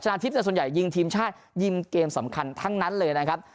ทิพย์แต่ส่วนใหญ่ยิงทีมชาติยิงเกมสำคัญทั้งนั้นเลยนะครับ